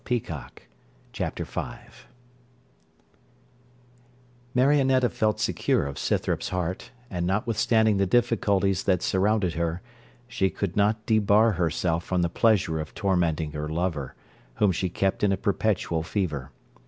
CHAPTER V Marionetta felt secure of Scythrop's heart; and notwithstanding the difficulties that surrounded her, she could not debar herself from the pleasure of tormenting her lover, whom she kept in a perpetual fever.